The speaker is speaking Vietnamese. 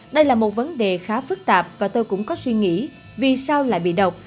đây là một vấn đề khá phức tạp và tôi cũng có suy nghĩ vì sao lại bị độc